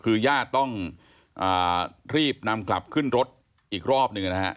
คือญาติต้องรีบนำกลับขึ้นรถอีกรอบหนึ่งนะฮะ